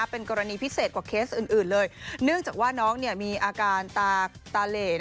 เป็นกรณีพิเศษกว่าเคสอื่นเลยเนื่องจากว่าน้องมีอาการตาเหล่